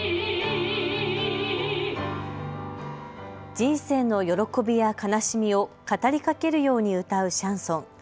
人生の喜びや悲しみを語りかけるように歌うシャンソン。